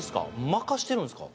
任してるんですか？